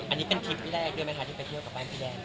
อันนี้เป็นทริปที่แรกด้วยไหมคะที่ไปเที่ยวกับบ้านพี่แดน